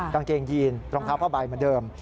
กางเกงยีนรองเท้าผ้าใบเหมือนเดิม